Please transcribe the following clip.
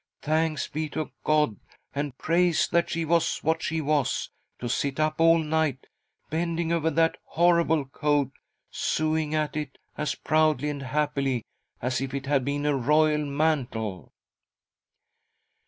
Thanks be to God and praise that she was what she was, to sit up all night bending over that horrible coat sewing at it as proudly and happily as if it had been a royal mantle."